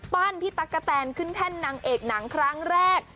พี่ตั๊กกะแตนขึ้นแท่นนางเอกหนังครั้งแรก